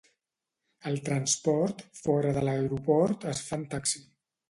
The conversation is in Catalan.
El transport fora de l'aeroport es fa en taxi.